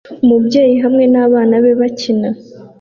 Umubyeyi hamwe nabana be bakina